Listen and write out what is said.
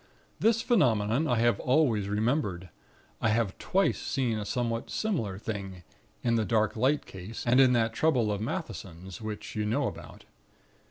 This phenomenon I have always remembered. I have twice seen a somewhat similar thing; in the Dark Light Case and in that trouble of Maetheson's, which you know about.